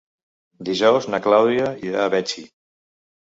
Dijous na Clàudia irà a Betxí.